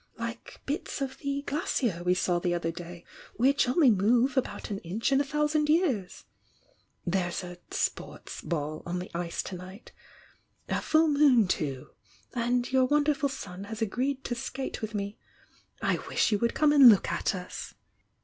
— like bits of the glacier we saw the other day which move only about an inch in a thousand years ! There's a 'sports' ball on the ice to nighfr a full moon too! — and your wonderful son has agreed to skate with me — I wish you would come and look at us!"